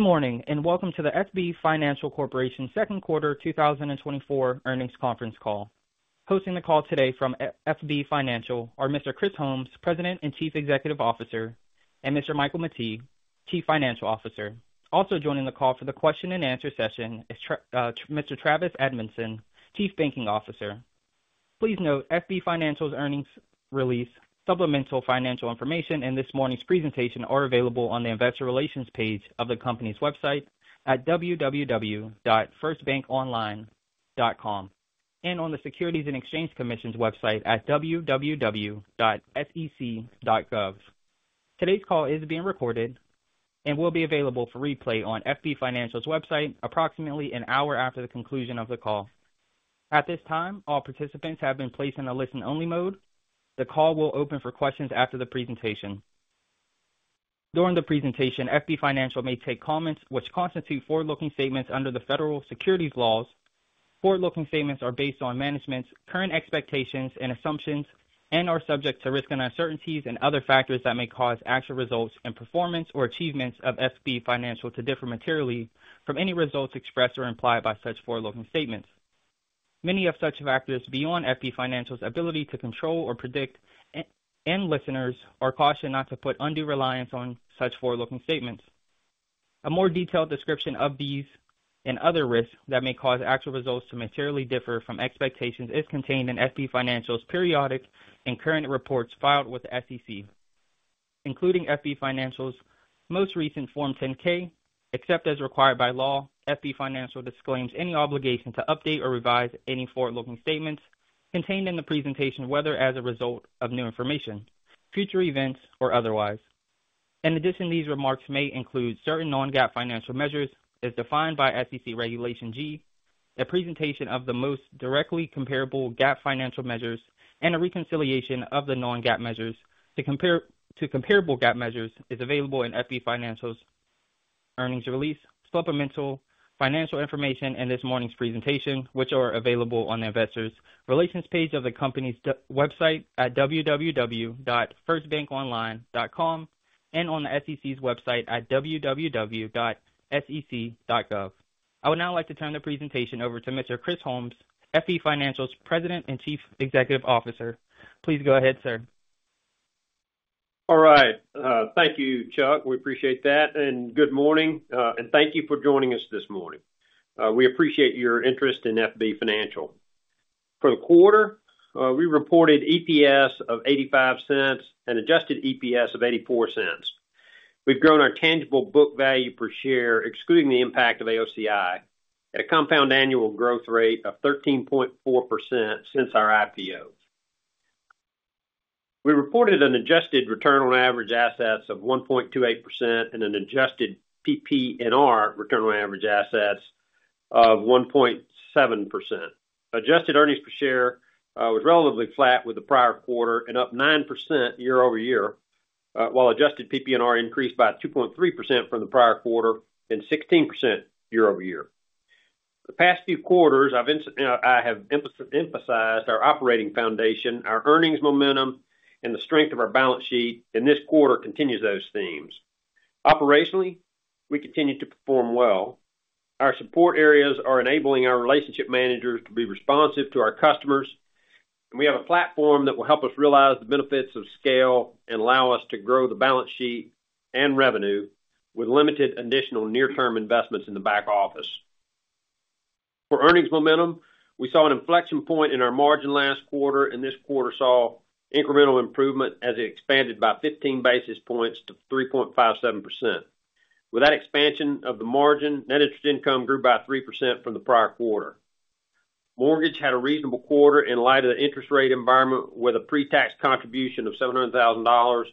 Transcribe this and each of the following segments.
Good morning, and welcome to the FB Financial Corporation second quarter 2024 earnings conference call. Hosting the call today from FB Financial are Mr. Chris Holmes, President and Chief Executive Officer, and Mr. Michael Mettee, Chief Financial Officer. Also joining the call for the question and answer session is Mr. Travis Edmondson, Chief Banking Officer. Please note, FB Financial's earnings release, supplemental financial information, and this morning's presentation are available on the investor relations page of the company's website at www.firstbankonline.com, and on the Securities and Exchange Commission's website at www.sec.gov. Today's call is being recorded and will be available for replay on FB Financial's website approximately an hour after the conclusion of the call. At this time, all participants have been placed in a listen-only mode. The call will open for questions after the presentation. During the presentation, FB Financial may make comments which constitute forward-looking statements under the federal securities laws. Forward-looking statements are based on management's current expectations and assumptions and are subject to risks and uncertainties and other factors that may cause actual results and performance or achievements of FB Financial to differ materially from any results expressed or implied by such forward-looking statements. Many of such factors are beyond FB Financial's ability to control or predict, and all listeners are cautioned not to put undue reliance on such forward-looking statements. A more detailed description of these and other risks that may cause actual results to materially differ from expectations is contained in FB Financial's periodic and current reports filed with the SEC, including FB Financial's most recent Form 10-K. Except as required by law, FB Financial disclaims any obligation to update or revise any forward-looking statements contained in the presentation, whether as a result of new information, future events, or otherwise. In addition, these remarks may include certain non-GAAP financial measures, as defined by SEC Regulation G. A presentation of the most directly comparable GAAP financial measures and a reconciliation of the non-GAAP measures to comparable GAAP measures is available in FB Financial's earnings release, supplemental financial information, and this morning's presentation, which are available on the investor relations page of the company's website at www.firstbankonline.com, and on the SEC's website at www.sec.gov. I would now like to turn the presentation over to Mr. Chris Holmes, FB Financial's President and Chief Executive Officer. Please go ahead, sir. All right. Thank you, Chuck. We appreciate that, and good morning, and thank you for joining us this morning. We appreciate your interest in FB Financial. For the quarter, we reported EPS of $0.85 and adjusted EPS of $0.84. We've grown our tangible book value per share, excluding the impact of AOCI, at a compound annual growth rate of 13.4% since our IPO. We reported an adjusted return on average assets of 1.28% and an adjusted PPNR return on average assets of 1.7%. Adjusted earnings per share was relatively flat with the prior quarter and up 9% year-over-year, while adjusted PPNR increased by 2.3% from the prior quarter and 16% year-over-year. The past few quarters, I have emphasized our operating foundation, our earnings momentum, and the strength of our balance sheet, and this quarter continues those themes. Operationally, we continue to perform well. Our support areas are enabling our relationship managers to be responsive to our customers, and we have a platform that will help us realize the benefits of scale and allow us to grow the balance sheet and revenue with limited additional near-term investments in the back office. For earnings momentum, we saw an inflection point in our margin last quarter, and this quarter saw incremental improvement as it expanded by 15 basis points to 3.57%. With that expansion of the margin, net interest income grew by 3% from the prior quarter. Mortgage had a reasonable quarter in light of the interest rate environment, with a pre-tax contribution of $700,000,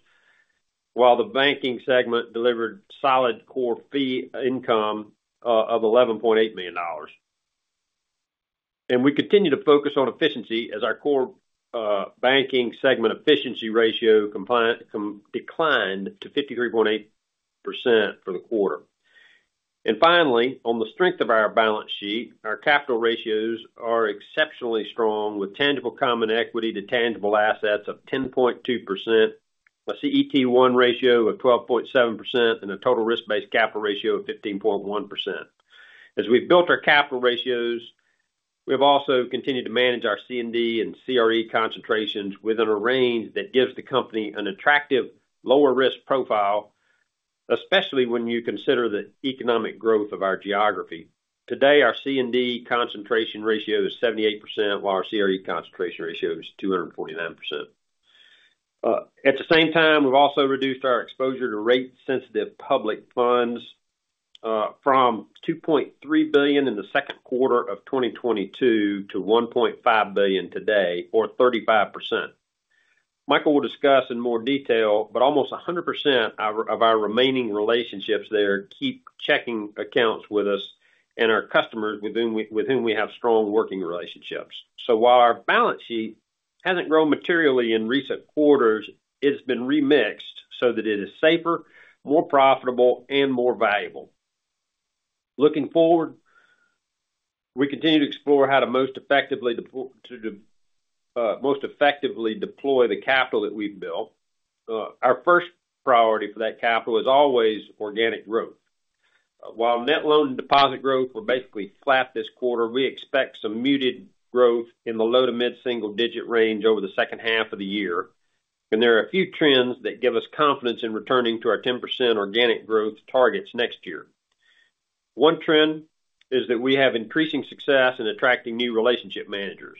while the banking segment delivered solid core fee income of $11.8 million. We continue to focus on efficiency as our core banking segment efficiency ratio declined to 53.8% for the quarter. Finally, on the strength of our balance sheet, our capital ratios are exceptionally strong, with tangible common equity to tangible assets of 10.2%, a CET1 ratio of 12.7%, and a total risk-based capital ratio of 15.1%. As we've built our capital ratios, we've also continued to manage our C&D and CRE concentrations within a range that gives the company an attractive, lower risk profile, especially when you consider the economic growth of our geography. Today, our C&D concentration ratio is 78%, while our CRE concentration ratio is 249%. At the same time, we've also reduced our exposure to rate-sensitive public funds from $2.3 billion in the second quarter of 2022 to $1.5 billion today, or 35%. Michael will discuss in more detail, but almost 100% of our, of our remaining relationships there keep checking accounts with us and our customers, with whom we, with whom we have strong working relationships. So while our balance sheet hasn't grown materially in recent quarters, it's been remixed so that it is safer, more profitable, and more valuable. Looking forward? We continue to explore how to most effectively deploy, to most effectively deploy the capital that we've built. Our first priority for that capital is always organic growth. While net loan and deposit growth were basically flat this quarter, we expect some muted growth in the low- to mid-single-digit range over the second half of the year. There are a few trends that give us confidence in returning to our 10% organic growth targets next year. One trend is that we have increasing success in attracting new relationship managers.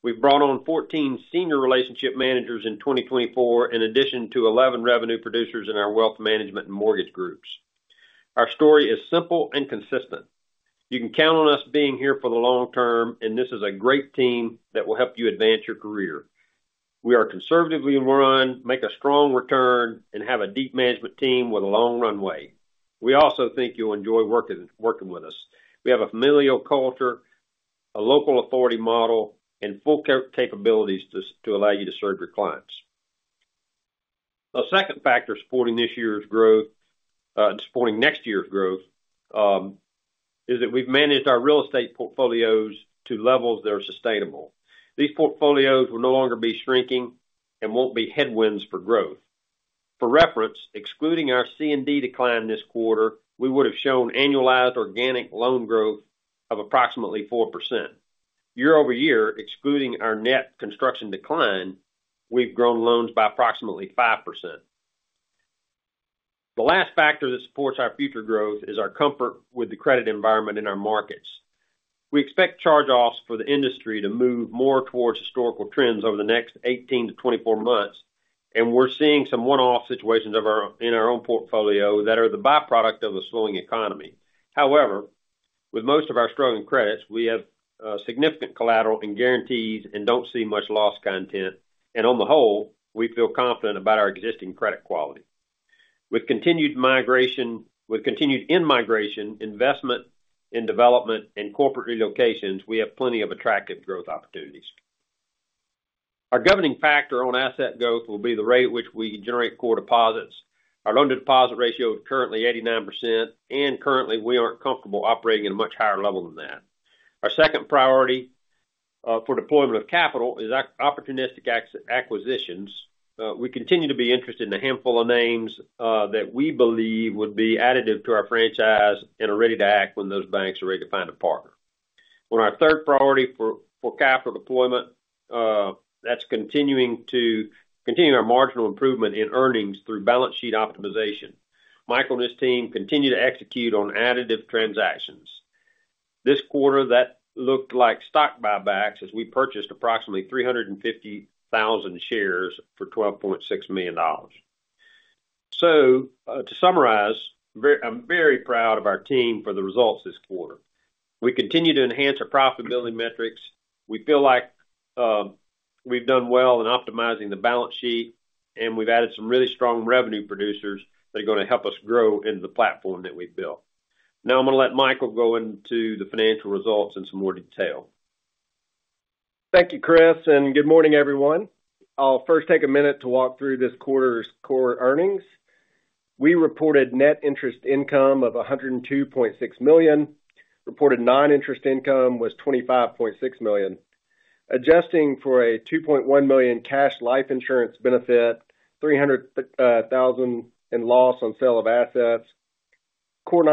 We've brought on 14 senior relationship managers in 2024, in addition to 11 revenue producers in our wealth management and mortgage groups. Our story is simple and consistent. You can count on us being here for the long term, and this is a great team that will help you advance your career. We are conservatively run, make a strong return, and have a deep management team with a long runway. We also think you'll enjoy working with us. We have a familial culture, a local authority model, and full core capabilities to, to allow you to serve your clients. The second factor supporting this year's growth, supporting next year's growth, is that we've managed our real estate portfolios to levels that are sustainable. These portfolios will no longer be shrinking and won't be headwinds for growth. For reference, excluding our C&D decline this quarter, we would have shown annualized organic loan growth of approximately 4%. Year-over-year, excluding our net construction decline, we've grown loans by approximately 5%. The last factor that supports our future growth is our comfort with the credit environment in our markets. We expect charge-offs for the industry to move more towards historical trends over the next 18-24 months, and we're seeing some one-off situations in our own portfolio that are the byproduct of a slowing economy. However, with most of our struggling credits, we have significant collateral and guarantees and don't see much loss content, and on the whole, we feel confident about our existing credit quality. With continued in-migration, investment in development and corporate relocations, we have plenty of attractive growth opportunities. Our governing factor on asset growth will be the rate at which we generate core deposits. Our loan-to-deposit ratio is currently 89%, and currently, we aren't comfortable operating at a much higher level than that. Our second priority for deployment of capital is opportunistic acquisitions. We continue to be interested in a handful of names, that we believe would be additive to our franchise and are ready to act when those banks are ready to find a partner. On our third priority for capital deployment, that's continuing our marginal improvement in earnings through balance sheet optimization. Michael and his team continue to execute on additive transactions. This quarter, that looked like stock buybacks, as we purchased approximately 350,000 shares for $12.6 million. So, to summarize, I'm very proud of our team for the results this quarter. We continue to enhance our profitability metrics. We feel like we've done well in optimizing the balance sheet, and we've added some really strong revenue producers that are gonna help us grow into the platform that we've built. Now, I'm going to let Michael go into the financial results in some more detail. Thank you, Chris, and good morning, everyone. I'll first take a minute to walk through this quarter's core earnings. We reported net interest income of $102.6 million. Reported non-interest income was $25.6 million. Adjusting for a $2.1 million cash life insurance benefit, $300,000 in loss on sale of assets, core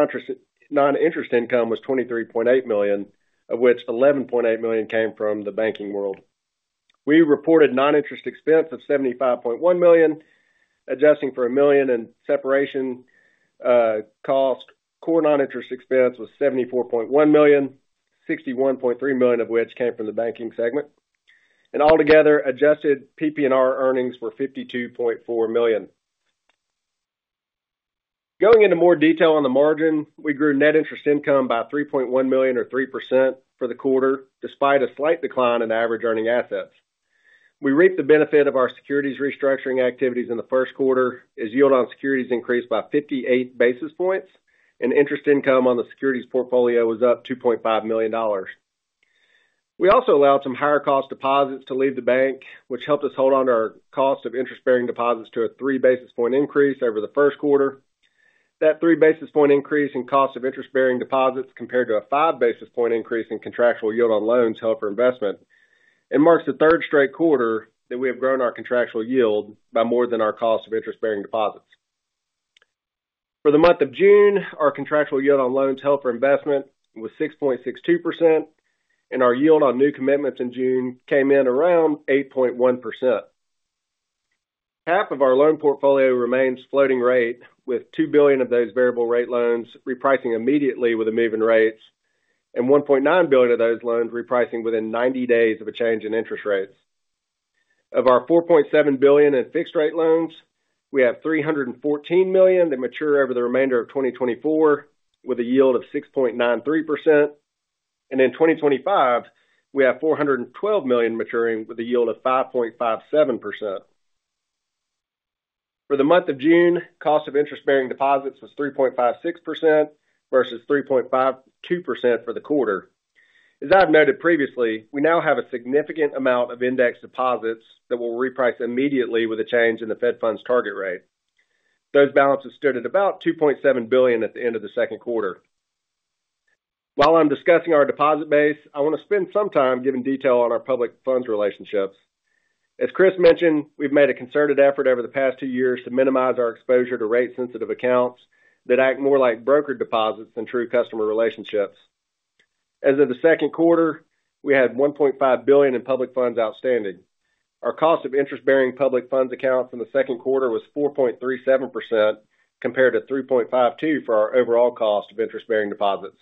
non-interest income was $23.8 million, of which $11.8 million came from the banking world. We reported non-interest expense of $75.1 million, adjusting for $1 million in separation cost. Core non-interest expense was $74.1 million, $61.3 million of which came from the banking segment. Altogether, adjusted PPNR earnings were $52.4 million. Going into more detail on the margin, we grew net interest income by $3.1 million or 3% for the quarter, despite a slight decline in average earning assets. We reaped the benefit of our securities restructuring activities in the first quarter, as yield on securities increased by 58 basis points, and interest income on the securities portfolio was up $2.5 million. We also allowed some higher cost deposits to leave the bank, which helped us hold on to our cost of interest-bearing deposits to a 3 basis point increase over the first quarter. That 3 basis point increase in cost of interest-bearing deposits compared to a 5 basis point increase in contractual yield on loans held for investment, and marks the third straight quarter that we have grown our contractual yield by more than our cost of interest-bearing deposits. For the month of June, our contractual yield on loans held for investment was 6.62%, and our yield on new commitments in June came in around 8.1%. Half of our loan portfolio remains floating rate, with $2 billion of those variable rate loans repricing immediately with the moving rates and $1.9 billion of those loans repricing within 90 days of a change in interest rates. Of our $4.7 billion in fixed-rate loans, we have $314 million that mature over the remainder of 2024, with a yield of 6.93%. In 2025, we have $412 million maturing with a yield of 5.57%. For the month of June, cost of interest-bearing deposits was 3.56% versus 3.52% for the quarter. As I've noted previously, we now have a significant amount of indexed deposits that will reprice immediately with a change in the Fed funds target rate… those balances stood at about $2.7 billion at the end of the second quarter. While I'm discussing our deposit base, I want to spend some time giving detail on our public funds relationships. As Chris mentioned, we've made a concerted effort over the past two years to minimize our exposure to rate-sensitive accounts that act more like brokered deposits than true customer relationships. As of the second quarter, we had $1.5 billion in public funds outstanding. Our cost of interest-bearing public funds accounts in the second quarter was 4.37%, compared to 3.52% for our overall cost of interest-bearing deposits.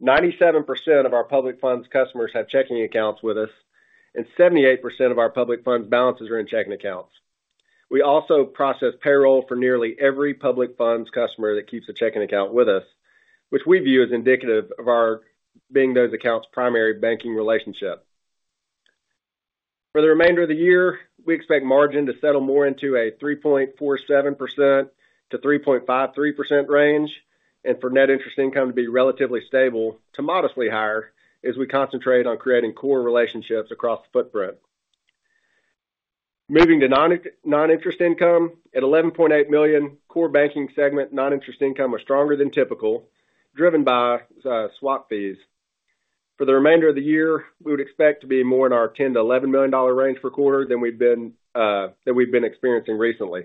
97% of our public funds customers have checking accounts with us, and 78% of our public funds balances are in checking accounts. We also process payroll for nearly every public funds customer that keeps a checking account with us, which we view as indicative of our being those accounts' primary banking relationship. For the remainder of the year, we expect margin to settle more into a 3.47%-3.53% range, and for net interest income to be relatively stable to modestly higher as we concentrate on creating core relationships across the footprint. Moving to non-interest income, at $11.8 million, core banking segment non-interest income was stronger than typical, driven by swap fees. For the remainder of the year, we would expect to be more in our $10-$11 million range per quarter than we've been than we've been experiencing recently.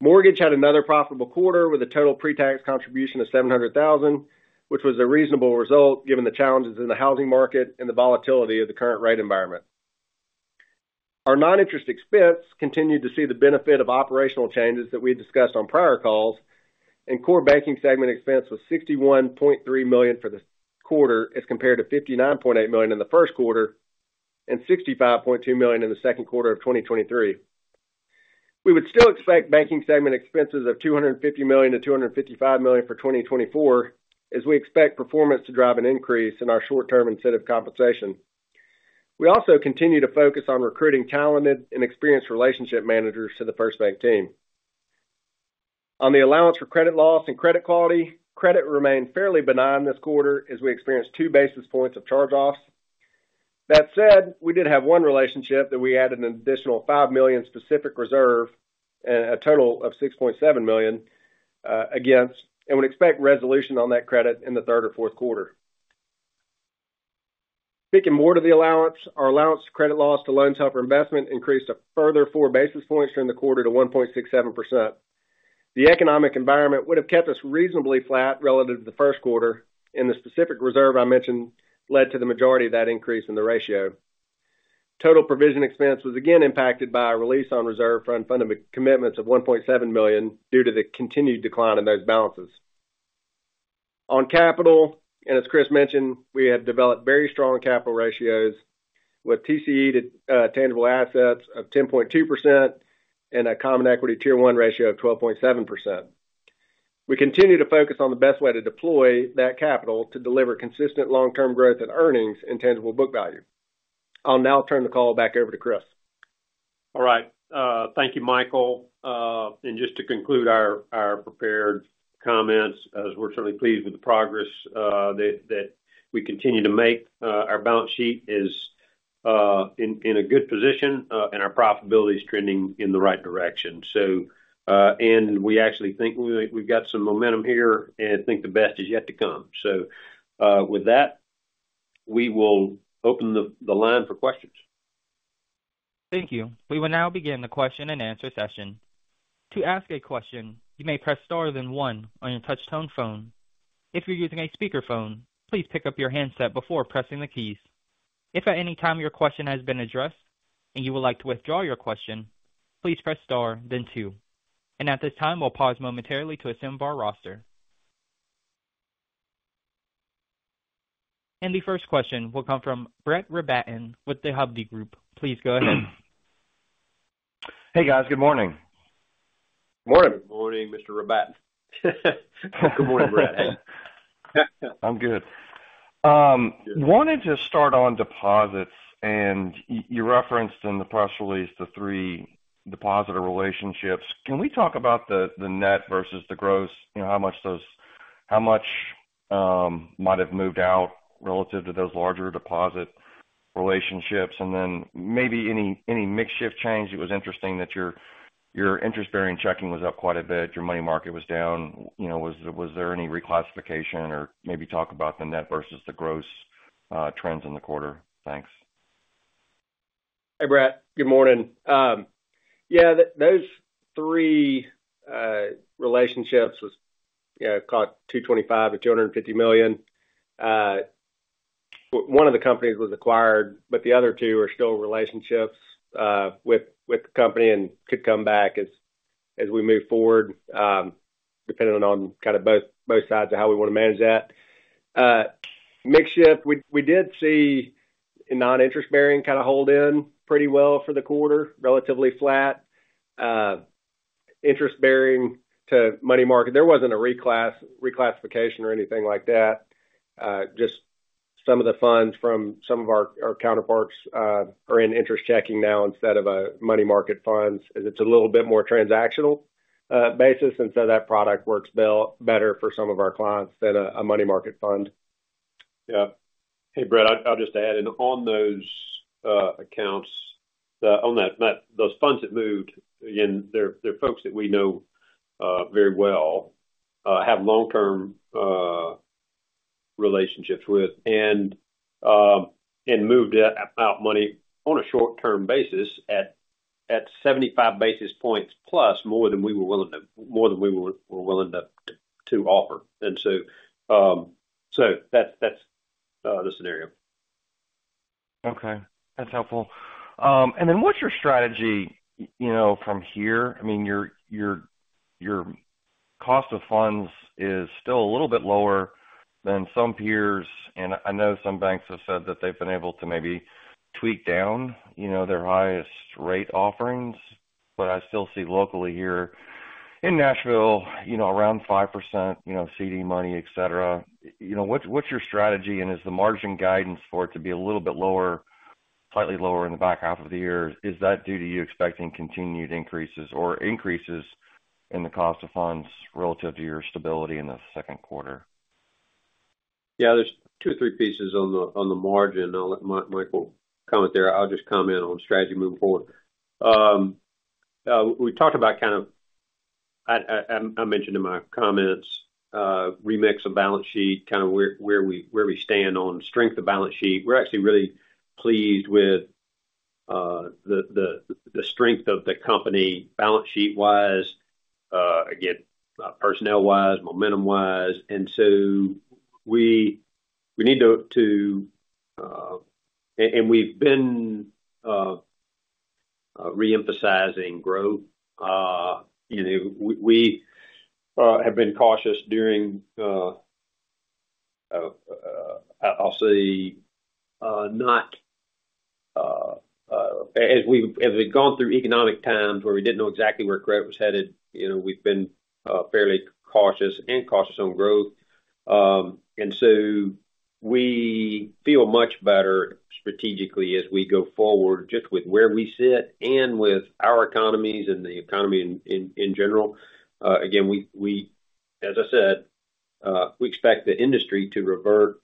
Mortgage had another profitable quarter with a total pre-tax contribution of $700,000, which was a reasonable result given the challenges in the housing market and the volatility of the current rate environment. Our non-interest expense continued to see the benefit of operational changes that we had discussed on prior calls, and core banking segment expense was $61.3 million for the quarter, as compared to $59.8 million in the first quarter and $65.2 million in the second quarter of 2023. We would still expect banking segment expenses of $250 million-$255 million for 2024, as we expect performance to drive an increase in our short-term incentive compensation. We also continue to focus on recruiting talented and experienced relationship managers to the FirstBank team. On the allowance for credit loss and credit quality, credit remained fairly benign this quarter as we experienced 2 basis points of charge-offs. That said, we did have one relationship that we added an additional $5 million specific reserve and a total of $6.7 million against, and would expect resolution on that credit in the third or fourth quarter. Speaking more to the allowance, our allowance for credit loss to loans held for investment increased a further 4 basis points during the quarter to 1.67%. The economic environment would have kept us reasonably flat relative to the first quarter, and the specific reserve I mentioned led to the majority of that increase in the ratio. Total provision expense was again impacted by a release on reserve for unfunded commitments of $1.7 million due to the continued decline in those balances. On capital, and as Chris mentioned, we have developed very strong capital ratios with TCE to tangible assets of 10.2% and a Common Equity Tier 1 ratio of 12.7%. We continue to focus on the best way to deploy that capital to deliver consistent long-term growth in earnings and tangible book value. I'll now turn the call back over to Chris. All right, thank you, Michael. And just to conclude our prepared comments, as we're certainly pleased with the progress that we continue to make, our balance sheet is in a good position, and our profitability is trending in the right direction. So, and we actually think we've got some momentum here and think the best is yet to come. So, with that, we will open the line for questions. Thank you. We will now begin the question-and-answer session. To ask a question, you may press star then one on your touch tone phone. If you're using a speakerphone, please pick up your handset before pressing the keys. If at any time your question has been addressed and you would like to withdraw your question, please press star then two. At this time, we'll pause momentarily to assemble our roster. The first question will come from Brett Rabatin with the Hovde Group. Please go ahead. Hey, guys. Good morning. Morning! Good morning, Mr. Rabatin. Good morning, Brett. I'm good. Wanted to start on deposits, and you referenced in the press release the three depositor relationships. Can we talk about the net versus the gross? You know, how much those, how much might have moved out relative to those larger deposit relationships? And then maybe any mix shift change. It was interesting that your interest-bearing checking was up quite a bit, your money market was down. You know, was there any reclassification or maybe talk about the net versus the gross trends in the quarter? Thanks. Hey, Brett. Good morning. Yeah, those three relationships was, you know, cost $225 million-$250 million. One of the companies was acquired, but the other two are still in relationships with the company and could come back as we move forward, depending on kind of both sides of how we want to manage that. Mix shift, we did see a non-interest bearing kind of hold in pretty well for the quarter, relatively flat. Interest bearing to money market, there wasn't a reclassification or anything like that. Just some of the funds from some of our counterparts are in interest checking now instead of money market funds, as it's a little bit more transactional basis, and so that product works better for some of our clients than a money market fund.... Yeah. Hey, Brett, I'll just add in, on those accounts, on those funds that moved, again, they're folks that we know very well, have long-term relationships with, and moved out money on a short-term basis at 75 basis points plus more than we were willing to, more than we were willing to offer. And so, so that's the scenario. Okay, that's helpful. And then what's your strategy, you know, from here? I mean, your cost of funds is still a little bit lower than some peers, and I know some banks have said that they've been able to maybe tweak down, you know, their highest rate offerings. But I still see locally here in Nashville, you know, around 5%, you know, CD money, et cetera. You know, what's your strategy? And is the margin guidance for it to be a little bit lower, slightly lower in the back half of the year, is that due to you expecting continued increases or increases in the cost of funds relative to your stability in the second quarter? Yeah, there's two or three pieces on the margin. I'll let Michael comment there. I'll just comment on strategy moving forward. We talked about kind of... I mentioned in my comments, remix of balance sheet, kind of where we stand on strength of balance sheet. We're actually really pleased with the strength of the company balance sheet-wise, again, personnel-wise, momentum-wise. And so we need to... and we've been reemphasizing growth. You know, we have been cautious during, I'll say, not... as we've gone through economic times where we didn't know exactly where credit was headed, you know, we've been fairly cautious and cautious on growth. And so we feel much better strategically as we go forward, just with where we sit and with our economies and the economy in general. Again, as I said, we expect the industry to revert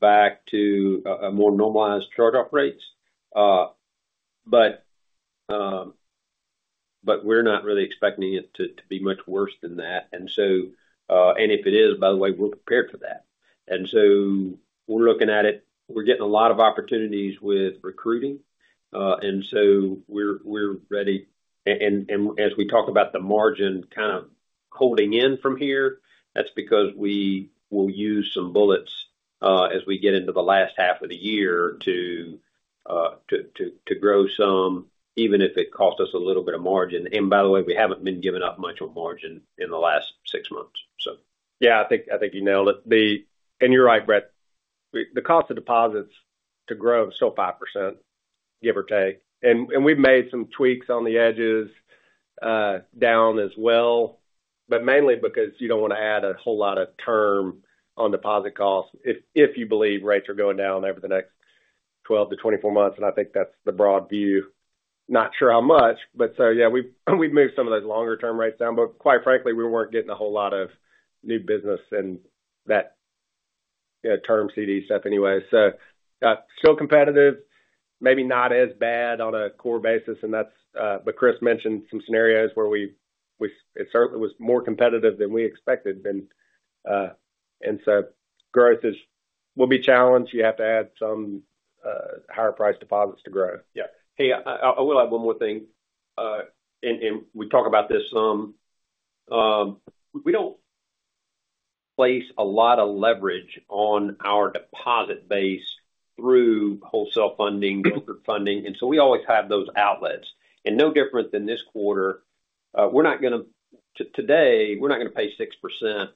back to a more normalized charge-off rates. But we're not really expecting it to be much worse than that. And so, and if it is, by the way, we're prepared for that. And so we're looking at it. We're getting a lot of opportunities with recruiting, and so we're ready. And as we talk about the margin kind of holding in from here, that's because we will use some bullets as we get into the last half of the year to grow some, even if it costs us a little bit of margin. And by the way, we haven't been giving up much on margin in the last six months, so. Yeah, I think you nailed it. You're right, Brett, the cost of deposits to grow is still 5%, give or take. And we've made some tweaks on the edges down as well, but mainly because you don't wanna add a whole lot of term on deposit costs if you believe rates are going down over the next 12-24 months, and I think that's the broad view. Not sure how much, but so, yeah, we've moved some of those longer-term rates down, but quite frankly, we weren't getting a whole lot of new business in that, yeah, term CD stuff anyway. So, still competitive, maybe not as bad on a core basis, and that's, but Chris mentioned some scenarios where it certainly was more competitive than we expected. And so growth will be challenged. You have to add some higher-priced deposits to grow. Yeah. Hey, I will add one more thing, and we talked about this some. We don't place a lot of leverage on our deposit base through wholesale funding, broker funding, and so we always have those outlets. And no different than this quarter, we're not gonna today, we're not gonna pay 6%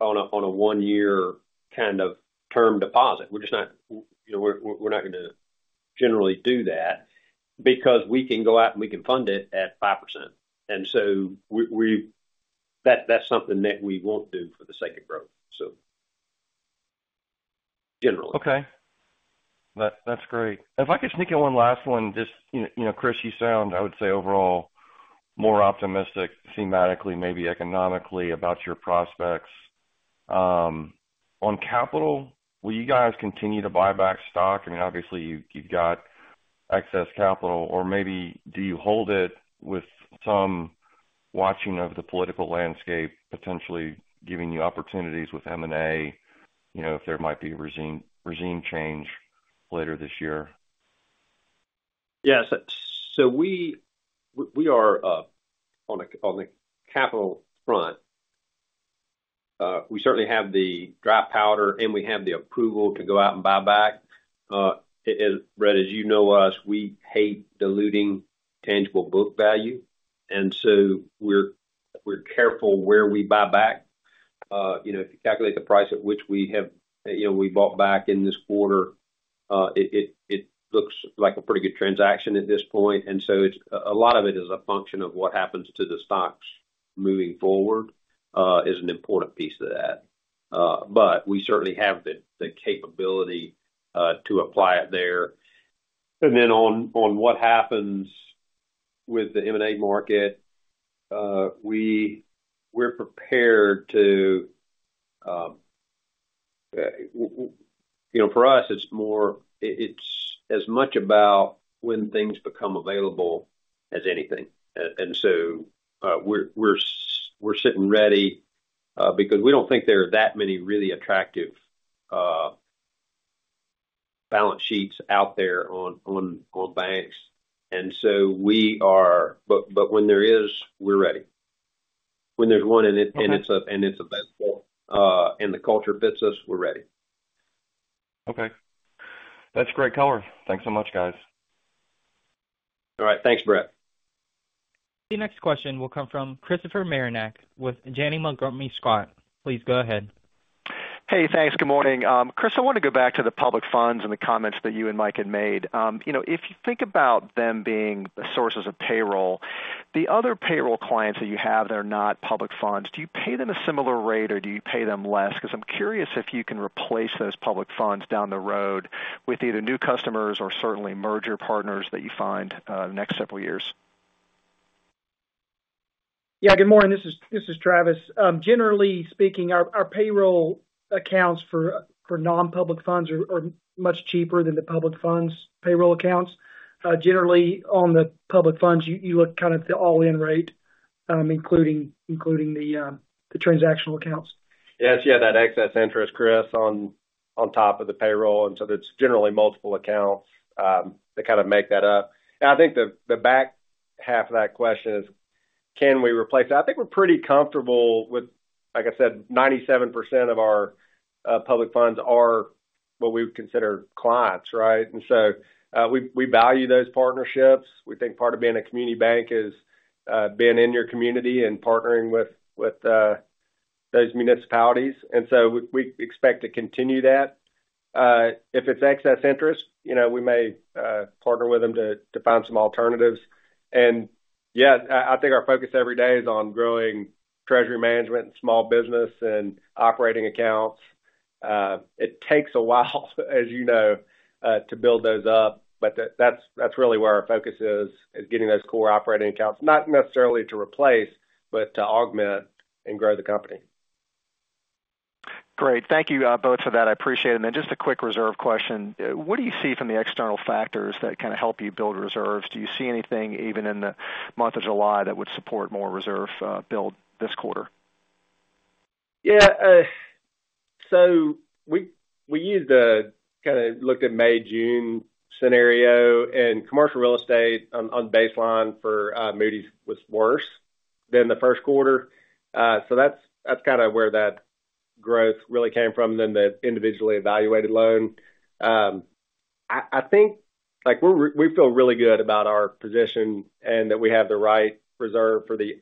on a one-year kind of term deposit. We're just not, you know, we're not gonna generally do that because we can go out and we can fund it at 5%. And so we, that, that's something that we won't do for the sake of growth, so generally. Okay. That's great. If I could sneak in one last one, just, you know, Chris, you sound, I would say, overall, more optimistic thematically, maybe economically, about your prospects. On capital, will you guys continue to buy back stock? I mean, obviously, you've got excess capital, or maybe do you hold it with some watching of the political landscape, potentially giving you opportunities with M&A, you know, if there might be a regime, regime change later this year? Yeah. So we are on a capital front, we certainly have the dry powder, and we have the approval to go out and buy back. And Brett, as you know us, we hate diluting tangible book value, and so we're careful where we buy back. You know, if you calculate the price at which we have, you know, we bought back in this quarter, it looks like a pretty good transaction at this point. And so it's a lot of it is a function of what happens to the stocks moving forward, is an important piece of that. But we certainly have the capability to apply it there. And then on what happens with the M&A market, we're prepared to, you know, for us, it's more- it, it's as much about when things become available as anything. And so, we're sitting ready, because we don't think there are that many really attractive balance sheets out there on banks. And so we are... But when there is, we're ready. When there's one, and it's available, and the culture fits us, we're ready. Okay. That's a great color. Thanks so much, guys. All right, thanks, Brett. The next question will come from Christopher Marinac with Janney Montgomery Scott. Please go ahead. Hey, thanks. Good morning. Chris, I want to go back to the public funds and the comments that you and Mike had made. You know, if you think about them being sources of payroll, the other payroll clients that you have that are not public funds, do you pay them a similar rate, or do you pay them less? Because I'm curious if you can replace those public funds down the road with either new customers or certainly merger partners that you find in the next several years. Yeah, good morning. This is Travis. Generally speaking, our payroll accounts for non-public funds are much cheaper than the public funds payroll accounts. Generally, on the public funds, you look kind of the all-in rate, including the transactional accounts. Yes, yeah, that excess interest, Chris, on top of the payroll, and so there's generally multiple accounts that kind of make that up. And I think the back half of that question is, can we replace that? I think we're pretty comfortable with... Like I said, 97% of our public funds are what we would consider clients, right? And so we value those partnerships. We think part of being a community bank is being in your community and partnering with those municipalities, and so we expect to continue that. If it's excess interest, you know, we may partner with them to find some alternatives. And yeah, I think our focus every day is on growing treasury management, small business, and operating accounts. It takes a while, as you know, to build those up, but that's really where our focus is, getting those core operating accounts, not necessarily to replace, but to augment and grow the company. Great. Thank you, both for that. I appreciate it. And then just a quick reserve question: What do you see from the external factors that kind of help you build reserves? Do you see anything, even in the month of July, that would support more reserve, build this quarter? Yeah, so we, we used kind of looked at May-June scenario, and commercial real estate on baseline for Moody's was worse than the first quarter. So that's, that's kind of where that growth really came from, then the individually evaluated loan. I think, like, we feel really good about our position and that we have the right reserve for the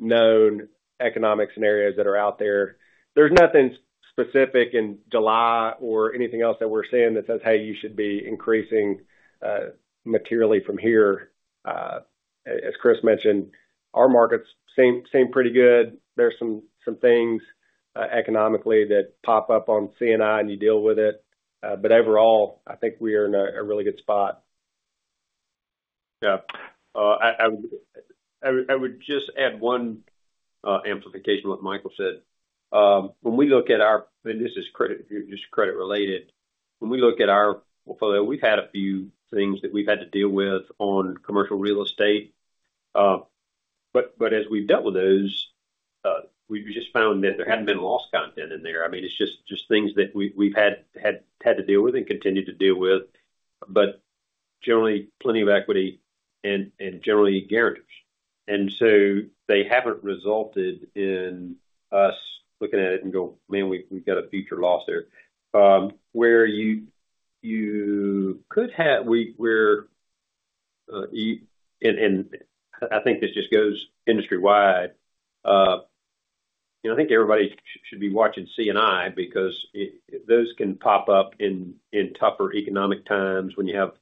unknown economic scenarios that are out there. There's nothing specific in July or anything else that we're seeing that says, "Hey, you should be increasing materially from here." As Chris mentioned, our markets seem, seem pretty good. There's some, some things economically that pop up on C&I, and you deal with it. But overall, I think we are in a really good spot. Yeah. I would just add one amplification what Michael said. When we look at our portfolio, and this is just credit related. When we look at our portfolio, we've had a few things that we've had to deal with on commercial real estate. But as we've dealt with those, we've just found that there hadn't been loss content in there. I mean, it's just things that we've had to deal with and continue to deal with, but generally, plenty of equity and generally guarantees. And so they haven't resulted in us looking at it and go, "Man, we've got a future loss there." Where you could have, and I think this just goes industry-wide, you know, I think everybody should be watching C&I because those can pop up in tougher economic times when you have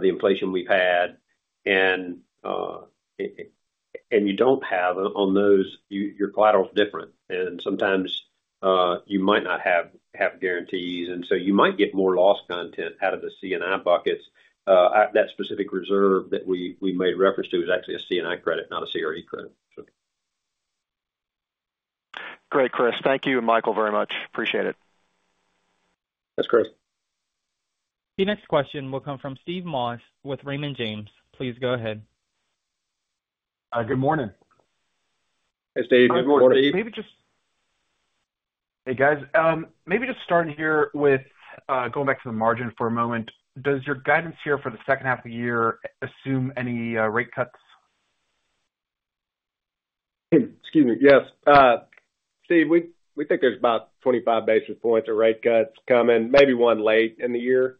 the inflation we've had, and you don't have on those, your collateral is different. And sometimes you might not have guarantees, and so you might get more loss content out of the C&I buckets. That specific reserve that we made reference to is actually a C&I credit, not a CRE credit. Great, Chris. Thank you, Michael, very much. Appreciate it. Thanks, Chris. The next question will come from Steve Moss with Raymond James. Please go ahead. Good morning. Hey, Steve. Good morning. Good morning, Steve. Hey, guys. Maybe just starting here with going back to the margin for a moment. Does your guidance here for the second half of the year assume any rate cuts? Excuse me. Yes. Steve, we, we think there's about 25 basis points of rate cuts coming, maybe one late in the year.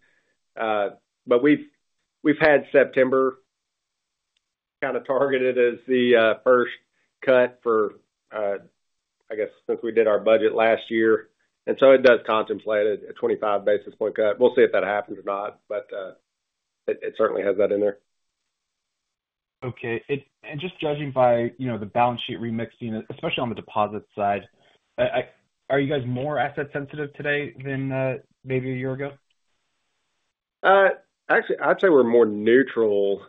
But we've, we've had September kind of targeted as the first cut for, I guess, since we did our budget last year, and so it does contemplate a 25 basis point cut. We'll see if that happens or not, but it certainly has that in there. Okay. And just judging by, you know, the balance sheet remixing, especially on the deposit side, are you guys more asset sensitive today than maybe a year ago?... Actually, I'd say we're more neutral.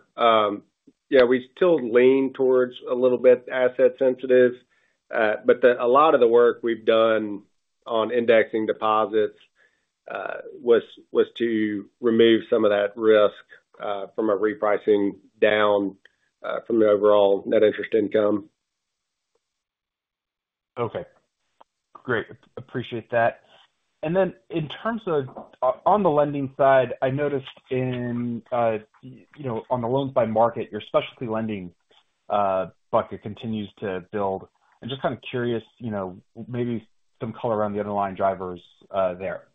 Yeah, we still lean towards a little bit asset sensitive, but a lot of the work we've done on indexing deposits was to remove some of that risk from a repricing down from the overall net interest income. Okay. Great. Appreciate that. And then in terms of on the lending side, I noticed in, you know, on the loans by market, your specialty lending bucket continues to build. I'm just kind of curious, you know, maybe some color around the underlying drivers, there.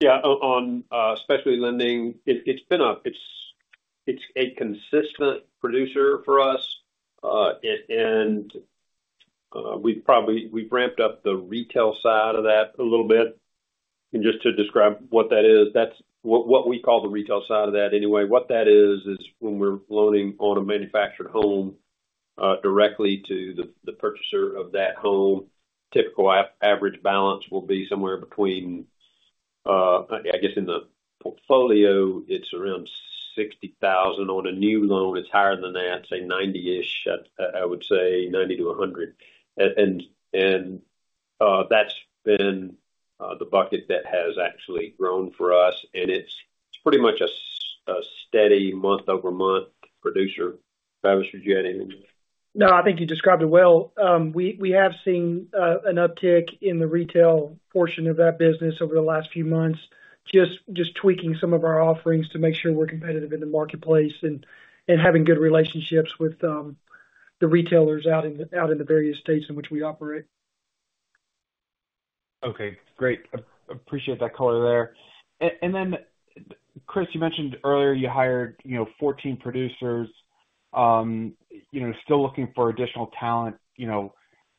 Yeah, on specialty lending, it's been—it's a consistent producer for us, and we've ramped up the retail side of that a little bit. And just to describe what that is, that's what we call the retail side of that, anyway, what that is, is when we're loaning on a manufactured home directly to the purchaser of that home, typical average balance will be somewhere between... I guess in the portfolio, it's around $60,000. On a new loan, it's higher than that, say 90-ish, I would say $90,000-$100,000. And that's been the bucket that has actually grown for us, and it's pretty much a steady month-over-month producer. Travis, you got anything? No, I think you described it well. We have seen an uptick in the retail portion of that business over the last few months, just tweaking some of our offerings to make sure we're competitive in the marketplace and having good relationships with the retailers out in the various states in which we operate. Okay, great. Appreciate that color there. And then, Chris, you mentioned earlier you hired, you know, 14 producers, you know, still looking for additional talent, you know,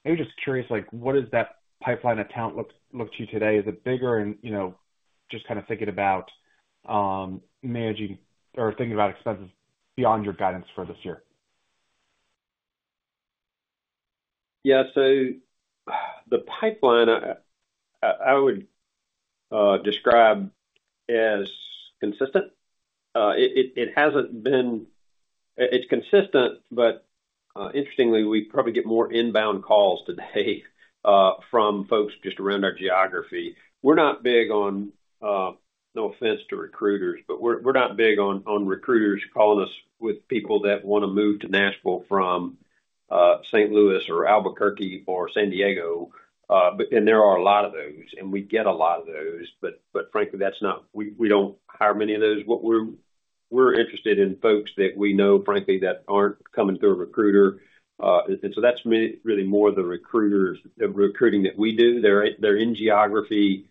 I'm just curious, like, what does that pipeline of talent look to you today? Is it bigger? And, you know, just kind of thinking about managing or thinking about expenses beyond your guidance for this year. Yeah, so the pipeline I would describe as consistent. It hasn't been... It's consistent, but interestingly, we probably get more inbound calls today from folks just around our geography. We're not big on, no offense to recruiters, but we're not big on recruiters calling us with people that wanna move to Nashville from St. Louis or Albuquerque or San Diego. But and there are a lot of those, and we get a lot of those, but frankly, that's not we don't hire many of those. What we're interested in folks that we know, frankly, that aren't coming through a recruiter. And so that's really more the recruiters, the recruiting that we do. They're in geography,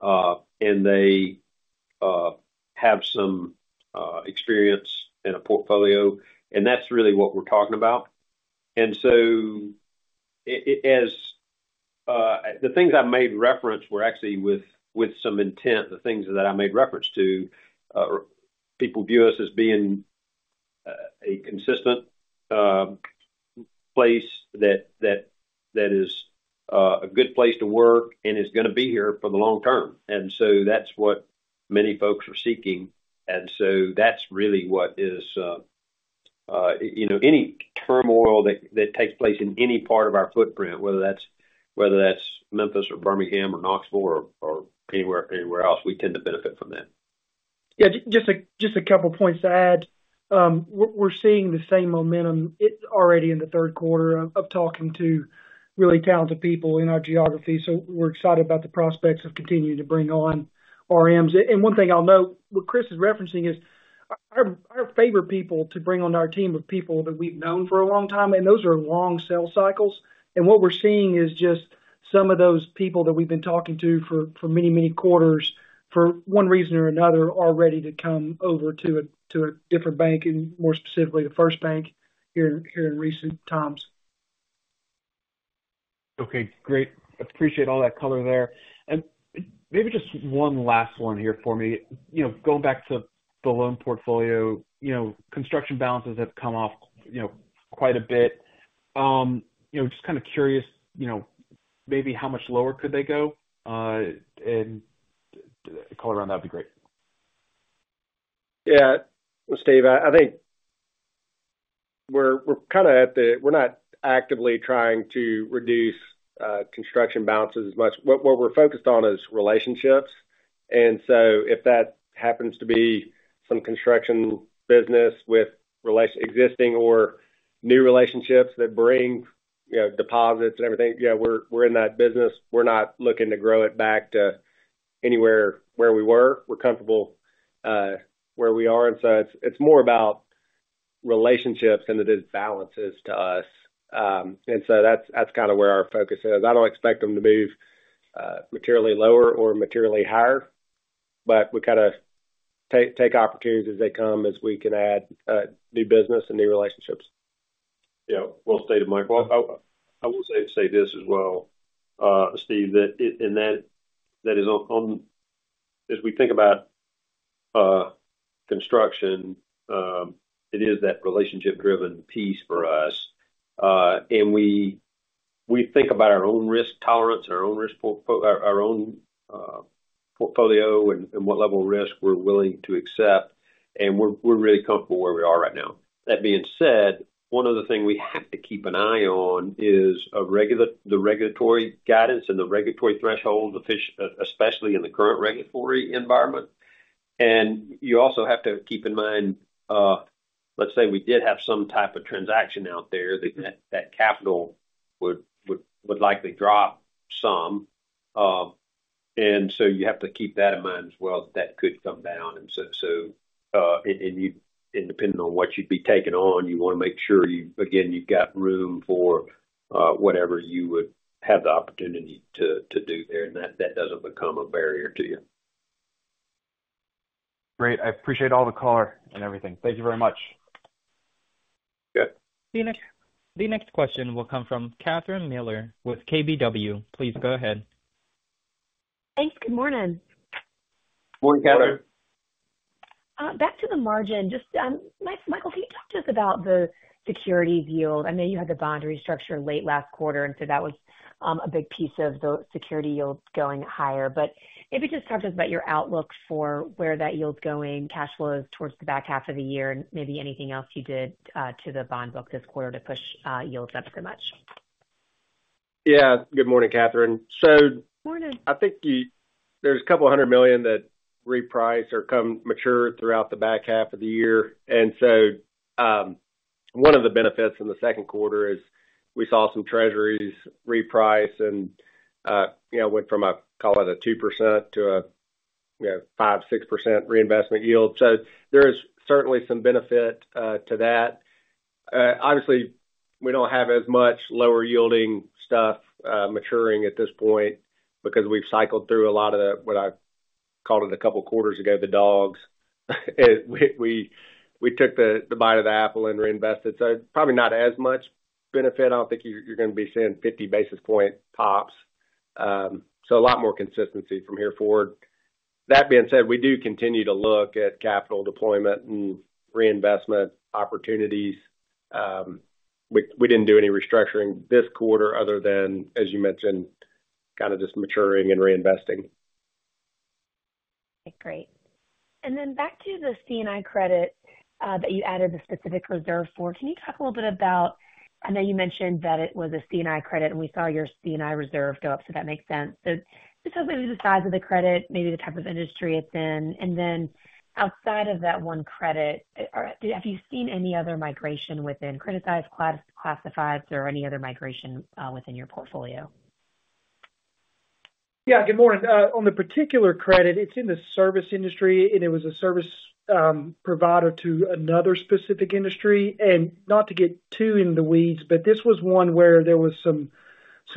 and they have some experience and a portfolio, and that's really what we're talking about. And so as the things I made reference to were actually with some intent, the things that I made reference to, people view us as being a consistent place that is a good place to work and is gonna be here for the long term. And so that's what many folks are seeking, and so that's really what is. You know, any turmoil that takes place in any part of our footprint, whether that's Memphis or Birmingham or Knoxville or anywhere else, we tend to benefit from that. Yeah, just a couple points to add. We're seeing the same momentum. It's already in the third quarter of talking to really talented people in our geography, so we're excited about the prospects of continuing to bring on RMs. And one thing I'll note, what Chris is referencing is, our favorite people to bring on our team are people that we've known for a long time, and those are long sales cycles. And what we're seeing is just some of those people that we've been talking to for many, many quarters, for one reason or another, are ready to come over to a different bank, and more specifically, the FirstBank here in recent times. Okay, great. Appreciate all that color there. And maybe just one last one here for me. You know, going back to the loan portfolio, you know, construction balances have come off, you know, quite a bit. You know, just kind of curious, you know, maybe how much lower could they go, and color around, that'd be great. Yeah. Well, Steve, I think we're kind of at the point where we're not actively trying to reduce construction balances as much. What we're focused on is relationships, and so if that happens to be some construction business with existing or new relationships that bring, you know, deposits and everything, yeah, we're in that business. We're not looking to grow it back to anywhere where we were. We're comfortable where we are, and so it's more about relationships than it is balances to us. And so that's kind of where our focus is. I don't expect them to move materially lower or materially higher, but we kind of take opportunities as they come, as we can add new business and new relationships. Yeah. Well stated, Mike. Well, I will say this as well, Steve, that and that is on... As we think about-... construction, it is that relationship-driven piece for us. And we think about our own risk tolerance, our own risk portfolio and what level of risk we're willing to accept, and we're really comfortable where we are right now. That being said, one other thing we have to keep an eye on is the regulatory guidance and the regulatory thresholds, especially in the current regulatory environment. And you also have to keep in mind, let's say we did have some type of transaction out there, that capital would likely drop some. And so you have to keep that in mind as well, that could come down. So, depending on what you'd be taking on, you want to make sure, again, you've got room for whatever you would have the opportunity to do there, and that doesn't become a barrier to you. Great. I appreciate all the color and everything. Thank you very much. Good. The next question will come from Catherine Mealor with KBW. Please go ahead. Thanks. Good morning. Morning, Katherine. Back to the margin. Just, Michael, can you talk to us about the securities yield? I know you had the bond restructure late last quarter, and so that was a big piece of the security yields going higher. But maybe just talk to us about your outlook for where that yield's going, cash flows towards the back half of the year, and maybe anything else you did to the bond book this quarter to push yields up so much. Yeah. Good morning, Catherine. Morning. So I think there's a couple hundred million that reprice or come mature throughout the back half of the year. And so, one of the benefits in the second quarter is we saw some Treasuries reprice and, you know, went from a, call it a 2% to a, you know, 5%-6% reinvestment yield. So there is certainly some benefit to that. Obviously, we don't have as much lower-yielding stuff maturing at this point because we've cycled through a lot of the, what I called it a couple quarters ago, the dogs. We took the bite of the apple and reinvested, so probably not as much benefit. I don't think you're going to be seeing 50 basis point pops. So a lot more consistency from here forward. That being said, we do continue to look at capital deployment and reinvestment opportunities. We didn't do any restructuring this quarter other than, as you mentioned, kind of just maturing and reinvesting. Great. And then back to the C&I credit that you added a specific reserve for. Can you talk a little bit about, I know you mentioned that it was a C&I credit, and we saw your C&I reserve go up, so that makes sense. So just talk maybe the size of the credit, maybe the type of industry it's in. And then outside of that one credit, have you seen any other migration within criticized classifieds or any other migration within your portfolio? Yeah, good morning. On the particular credit, it's in the service industry, and it was a service provider to another specific industry. And not to get too in the weeds, but this was one where there was some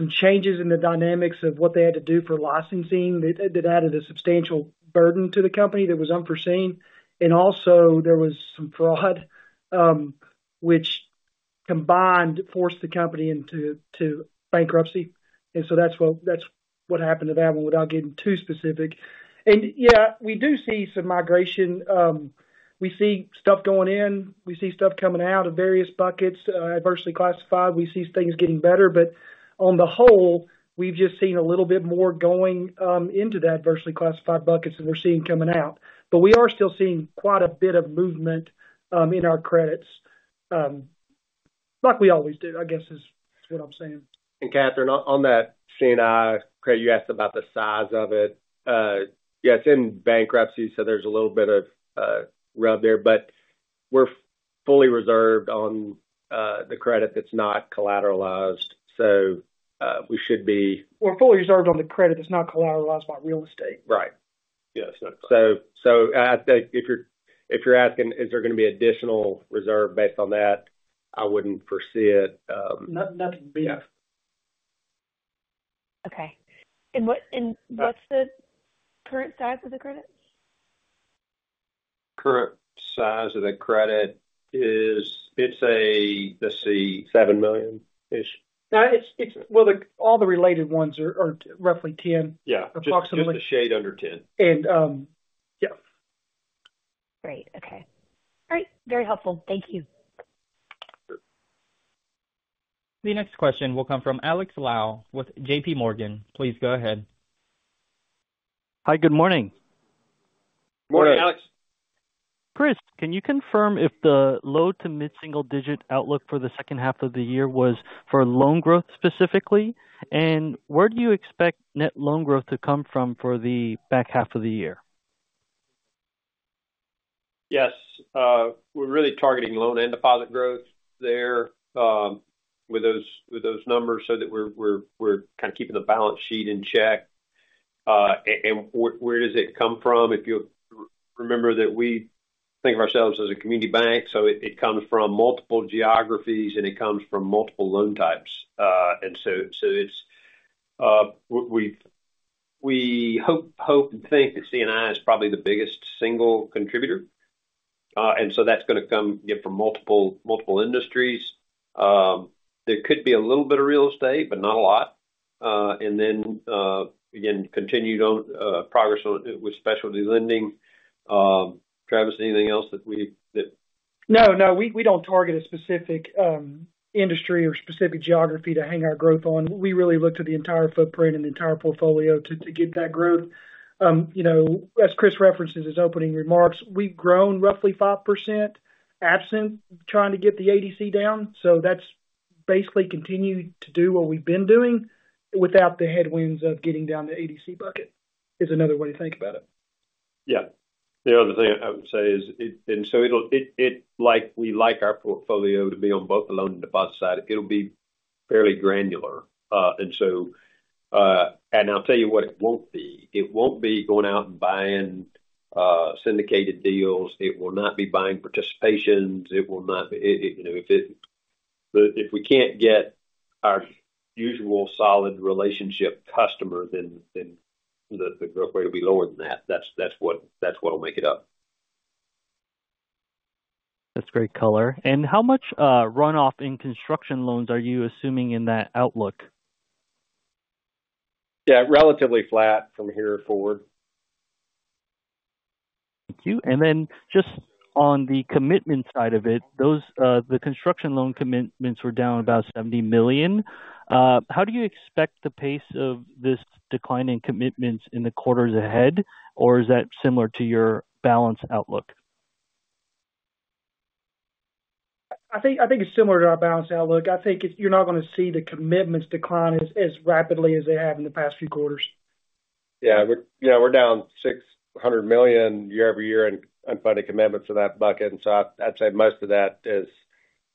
changes in the dynamics of what they had to do for licensing that added a substantial burden to the company that was unforeseen. And also there was some fraud, which combined forced the company into bankruptcy. And so that's what happened to that one, without getting too specific. And yeah, we do see some migration. We see stuff going in, we see stuff coming out of various buckets, adversely classified. We see things getting better, but on the whole, we've just seen a little bit more going into that adversely classified buckets than we're seeing coming out. But we are still seeing quite a bit of movement in our credits, like we always do, I guess is what I'm saying. And Catherine, on that C&I credit, you asked about the size of it. Yeah, it's in bankruptcy, so there's a little bit of rub there, but we're fully reserved on the credit that's not collateralized, so we should be- We're fully reserved on the credit that's not collateralized by real estate. Right. Yeah, so if you're asking, is there going to be additional reserve based on that? I wouldn't foresee it. Not, not to be. Okay. And what's the current size of the credit? Current size of the credit is, it's a, let's see, $7 million-ish. Well, all the related ones are roughly $10 million. Yeah. Approximately. Just a shade under $10 million. Yeah. Great. Okay. All right. Very helpful. Thank you. The next question will come from Alex Lau with JPMorgan. Please go ahead. Hi, good morning. Morning, Alex. Chris, can you confirm if the low- to mid-single-digit outlook for the second half of the year was for loan growth specifically? Where do you expect net loan growth to come from for the back half of the year? Yes. We're really targeting loan and deposit growth there with those numbers so that we're kind of keeping the balance sheet in check. And where does it come from? If you remember that we think of ourselves as a community bank, so it comes from multiple geographies, and it comes from multiple loan types. And so we hope and think that C&I is probably the biggest single contributor. And so that's gonna come, again, from multiple industries. There could be a little bit of real estate, but not a lot. And then, again, continued progress with specialty lending. Travis, anything else that we No, no, we, we don't target a specific industry or specific geography to hang our growth on. We really look to the entire footprint and the entire portfolio to, to get that growth. You know, as Chris referenced in his opening remarks, we've grown roughly 5%, absent trying to get the ADC down. So that's basically continuing to do what we've been doing without the headwinds of getting down the ADC bucket, is another way to think about it. Yeah. The other thing I would say is, it, and so it'll—like, we like our portfolio to be on both the loan and deposit side. It'll be fairly granular. And so, and I'll tell you what it won't be. It won't be going out and buying syndicated deals. It will not be buying participations. It will not be, you know, but if we can't get our usual solid relationship customer, then the growth rate will be lower than that. That's what'll make it up. That's great color. How much runoff in construction loans are you assuming in that outlook? Yeah, relatively flat from here forward. Thank you. And then just on the commitment side of it, those, the construction loan commitments were down about $70 million. How do you expect the pace of this decline in commitments in the quarters ahead? Or is that similar to your balance outlook? I think, I think it's similar to our balance outlook. I think it's. You're not gonna see the commitments decline as, as rapidly as they have in the past few quarters. Yeah, we're, you know, we're down $600 million year-over-year in funding commitments for that bucket. And so I'd say most of that is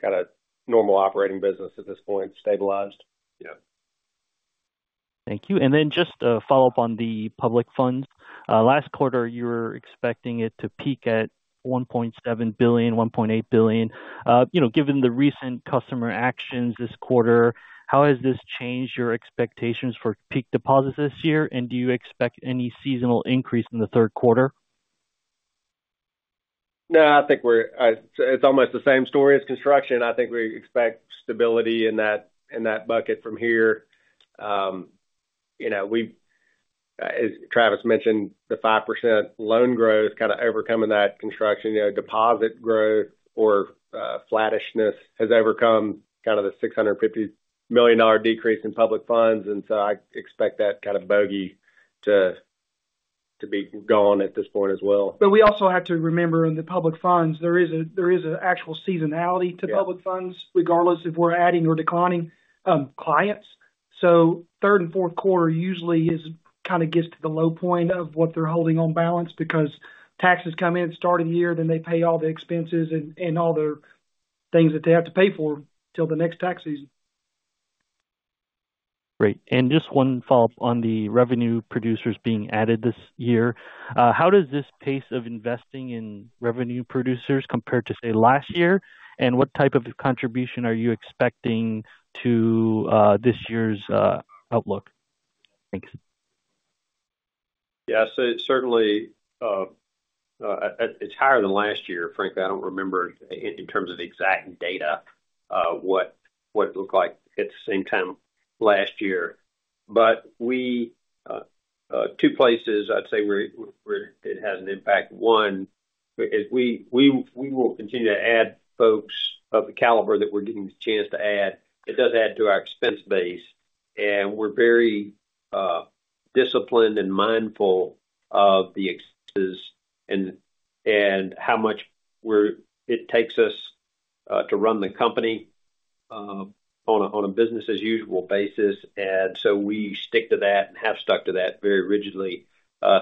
kinda normal operating business at this point, stabilized, you know. Thank you. Then just a follow-up on the public funds. Last quarter, you were expecting it to peak at $1.7 billion-$1.8 billion. You know, given the recent customer actions this quarter, how has this changed your expectations for peak deposits this year? Do you expect any seasonal increase in the third quarter? No, I think we're—it's almost the same story as construction. I think we expect stability in that, in that bucket from here. You know, we've—as Travis mentioned, the 5% loan growth kinda overcoming that construction. You know, deposit growth or, flattishness has overcome kind of the $650 million decrease in public funds, and so I expect that kind of bogey to, to be gone at this point as well. But we also have to remember in the public funds, there is actual seasonality to public funds. Yeah... regardless if we're adding or declining, clients. So third and fourth quarter usually is, kinda gets to the low point of what they're holding on balance because taxes come in start of the year, then they pay all the expenses and, and all the things that they have to pay for till the next tax season. Great. Just one follow-up on the revenue producers being added this year. How does this pace of investing in revenue producers compare to, say, last year? And what type of contribution are you expecting to this year's outlook? Thanks. Yeah, so certainly, it's higher than last year. Frankly, I don't remember in terms of the exact data, what it looked like at the same time last year. But two places, I'd say, where it has an impact. One is we will continue to add folks of the caliber that we're getting the chance to add. It does add to our expense base, and we're very disciplined and mindful of the expenses and how much it takes us to run the company on a business as usual basis. And so we stick to that and have stuck to that very rigidly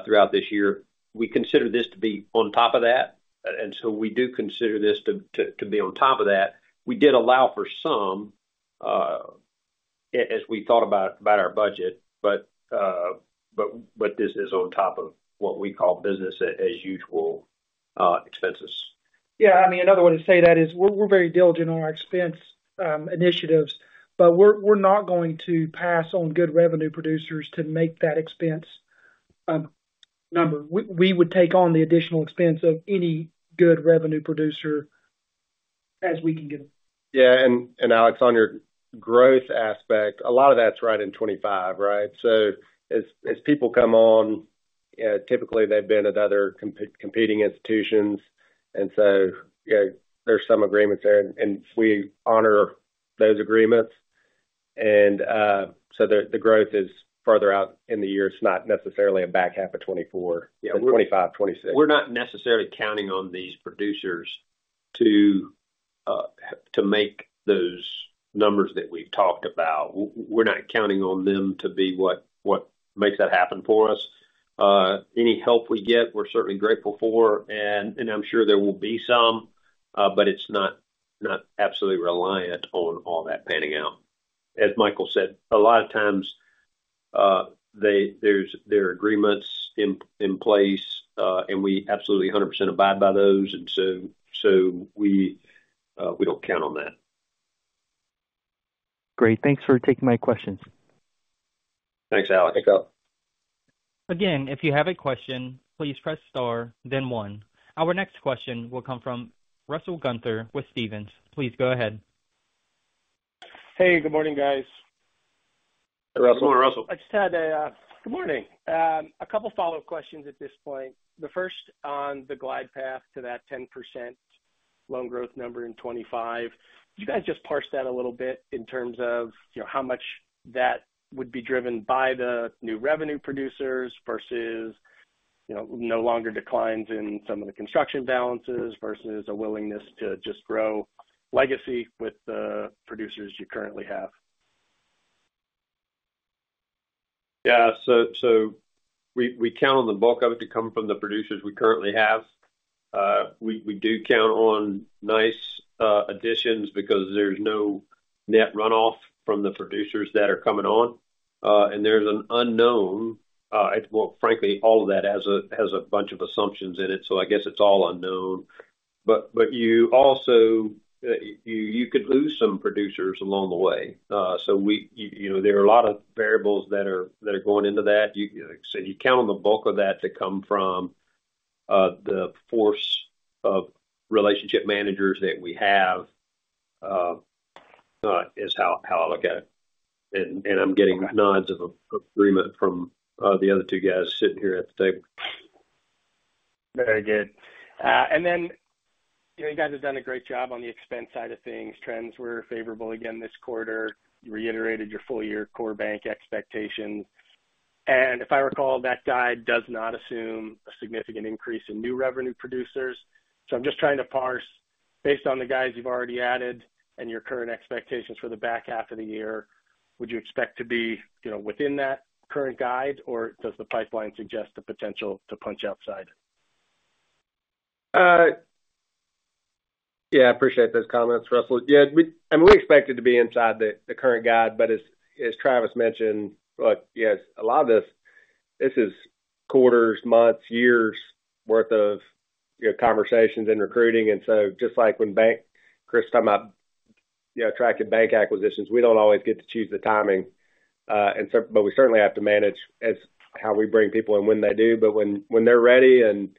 throughout this year. We consider this to be on top of that, and so we do consider this to be on top of that. We did allow for some as we thought about our budget, but this is on top of what we call business as usual expenses. Yeah, I mean, another way to say that is, we're very diligent on our expense initiatives, but we're not going to pass on good revenue producers to make that expense number. We would take on the additional expense of any good revenue producer as we can get them. Yeah, and Alex, on your growth aspect, a lot of that's right in 2025, right? So as people come on, typically, they've been at other competing institutions, and so, you know, there's some agreements there, and we honor those agreements. And so the growth is further out in the year. It's not necessarily a back half of 2024- Yeah 2025, 2026. We're not necessarily counting on these producers to to make those numbers that we've talked about. We're not counting on them to be what, what makes that happen for us. Any help we get, we're certainly grateful for, and, and I'm sure there will be some, but it's not, not absolutely reliant on all that panning out. As Michael said, a lot of times, they there's, there are agreements in, in place, and we absolutely 100% abide by those, and so, so we, we don't count on that. Great. Thanks for taking my questions. Thanks, Alex. Again, if you have a question, please press star, then one. Our next question will come from Russell Gunther with Stephens. Please go ahead. Hey, good morning, guys. Hey, Russell. Good morning, Russell. Good morning. A couple follow-up questions at this point. The first on the glide path to that 10% loan growth number in 2025. Can you guys just parse that a little bit in terms of, you know, how much that would be driven by the new revenue producers versus, you know, no longer declines in some of the construction balances versus a willingness to just grow legacy with the producers you currently have? Yeah, so we count on the bulk of it to come from the producers we currently have. We do count on nice additions because there's no net runoff from the producers that are coming on. And there's an unknown, well, frankly, all of that has a bunch of assumptions in it, so I guess it's all unknown. But you also, you could lose some producers along the way. So, you know, there are a lot of variables that are going into that. You, like I said, you count on the bulk of that to come from the force of relationship managers that we have is how I look at it. And I'm getting nods of agreement from the other two guys sitting here at the table. Very good. And then, you know, you guys have done a great job on the expense side of things. Trends were favorable again this quarter. You reiterated your full year core bank expectations. If I recall, that guide does not assume a significant increase in new revenue producers. So I'm just trying to parse, based on the guys you've already added and your current expectations for the back half of the year, would you expect to be, you know, within that current guide, or does the pipeline suggest the potential to punch outside? Yeah, I appreciate those comments, Russell. Yeah, we expect it to be inside the current guide, but as Travis mentioned, look, yes, a lot of this is quarters, months, years' worth of, you know, conversations and recruiting. And so just like when Chris talking about, you know, attractive bank acquisitions, we don't always get to choose the timing, and so, but we certainly have to manage how we bring people in when they do. But when they're ready and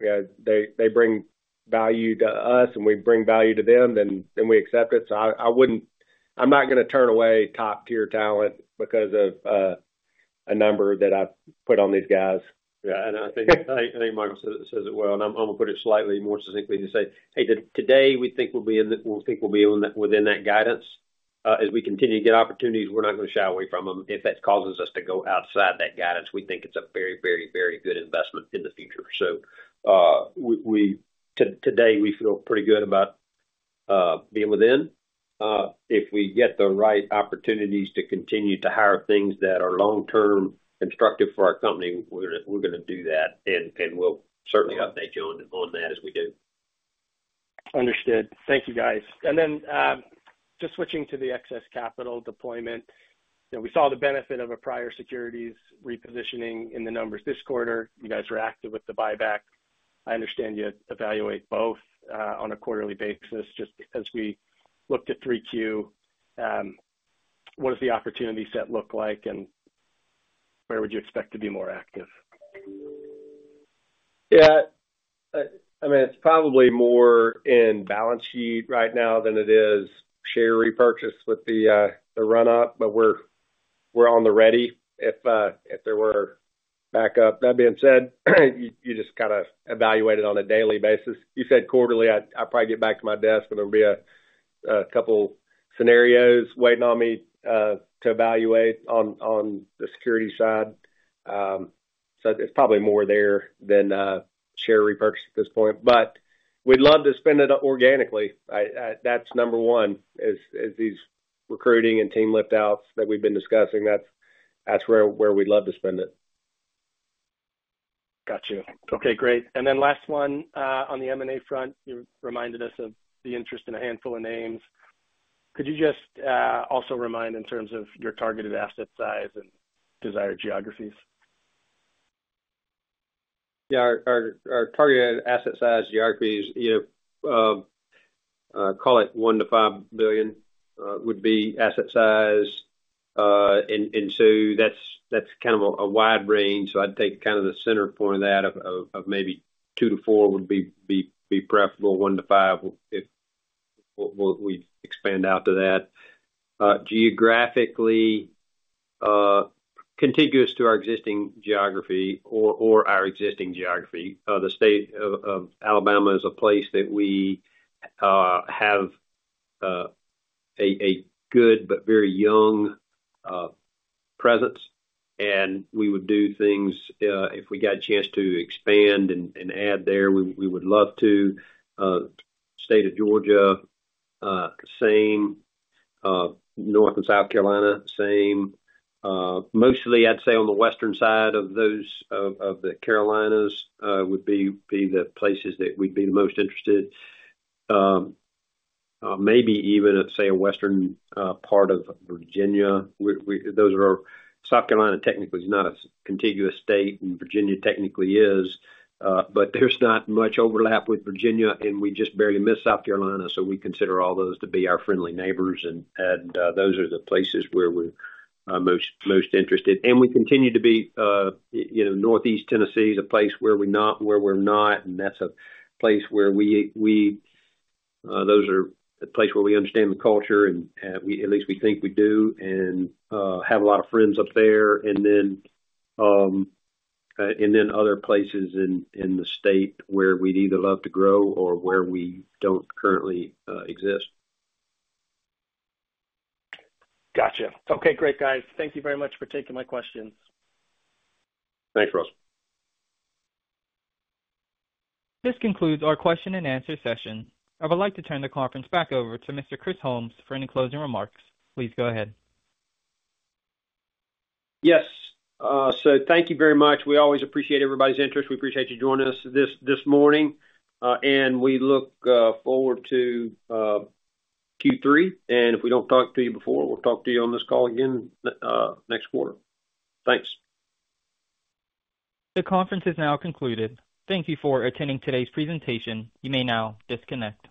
they bring value to us, and we bring value to them, then we accept it. So I wouldn't. I'm not gonna turn away top-tier talent because of a number that I've put on these guys. Yeah, and I think Michael says it well, and I'm gonna put it slightly more succinctly to say, hey, today, we think we'll be in within that guidance. As we continue to get opportunities, we're not gonna shy away from them. If that causes us to go outside that guidance, we think it's a very, very, very good investment in the future. So, today, we feel pretty good about being within. If we get the right opportunities to continue to hire things that are long-term constructive for our company, we're gonna do that, and we'll certainly update you on that as we do. Understood. Thank you, guys. And then, just switching to the excess capital deployment, you know, we saw the benefit of a prior securities repositioning in the numbers this quarter. You guys were active with the buyback. I understand you evaluate both, on a quarterly basis, just as we looked at 3Q, what does the opportunity set look like, and where would you expect to be more active? Yeah. I mean, it's probably more in balance sheet right now than it is share repurchase with the, the run up, but we're, we're on the ready if, if there were back up. That being said, you just kind of evaluate it on a daily basis. You said quarterly, I'll probably get back to my desk, and there'll be a couple scenarios waiting on me to evaluate on the security side. So it's probably more there than share repurchase at this point, but we'd love to spend it organically. That's number one, is these recruiting and team lift outs that we've been discussing, that's where we'd love to spend it. Got you. Okay, great. And then last one, on the M&A front, you reminded us of the interest in a handful of names. Could you just, also remind in terms of your targeted asset size and desired geographies? Yeah. Our targeted asset size geography is, you know, call it $1-$5 billion would be asset size. And so that's kind of a wide range. So I'd take kind of the center point of that, maybe $2-$4 would be preferable, $1-$5 if we expand out to that. Geographically, contiguous to our existing geography or our existing geography. The state of Alabama is a place that we have a good but very young presence, and we would do things if we get a chance to expand and add there, we would love to. State of Georgia, same, North and South Carolina, same. Mostly, I'd say on the western side of those of the Carolinas would be the places that we'd be most interested. Maybe even at, say, a western part of Virginia. Those are... South Carolina technically is not a contiguous state, and Virginia technically is, but there's not much overlap with Virginia, and we just barely miss South Carolina, so we consider all those to be our friendly neighbors. Those are the places where we're most interested. We continue to be, you know, Northeast Tennessee is a place where we're not, and that's a place where those are a place where we understand the culture, and at least we think we do, and have a lot of friends up there. And then other places in the state where we'd either love to grow or where we don't currently exist. Gotcha. Okay, great, guys. Thank you very much for taking my questions. Thanks, Russell. This concludes our question and answer session. I would like to turn the conference back over to Mr. Chris Holmes for any closing remarks. Please go ahead. Yes. So thank you very much. We always appreciate everybody's interest. We appreciate you joining us this morning, and we look forward to Q3. And if we don't talk to you before, we'll talk to you on this call again next quarter. Thanks. The conference is now concluded. Thank you for attending today's presentation. You may now disconnect.